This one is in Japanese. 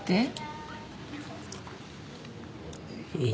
えっ？